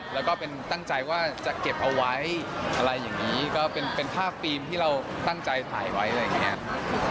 แล้วก็เป็นตั้งใจว่าจะเก็บเอาไว้อะไรอย่างนี้ก็เป็นภาพฟิล์มที่เราตั้งใจถ่ายไว้อะไรอย่างนี้